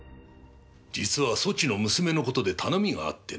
実はそちの娘のことで頼みがあってのう。